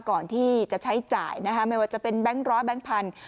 ก่อนที่จะใช้จ่ายนะคะไม่ว่าจะเป็นแบงค์ร้อยแบงค์พันธุ